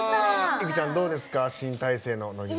いくちゃんどうですか新体制の乃木坂。